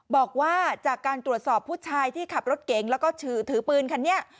บอกว่าจากการตรวจสอบผู้ชายที่ขับรถเก๋งแล้วก็ถือปืนคันนี้